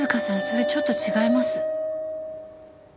それちょっと違います。